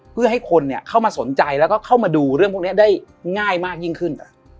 เพื่อให้คนเข้ามาสนใจแล้วก็เข้ามาดูเรื่องพวกนี้ได้ง่ายมากยิ่งขึ้น